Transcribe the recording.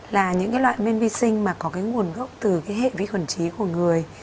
là những cái loại men vi sinh mà có cái nguồn gốc từ cái hệ vi khuẩn trí của người